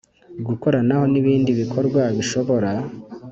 Gukoranaho n ibindi bikorwa bishobora